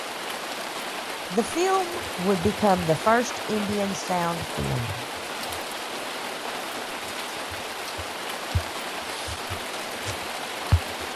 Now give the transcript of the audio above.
The film would become the first Indian sound film.